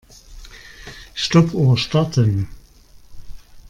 Stoppuhr starten.